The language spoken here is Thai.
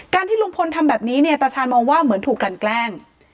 ที่ลุงพลทำแบบนี้เนี่ยตาชาญมองว่าเหมือนถูกกลั่นแกล้ง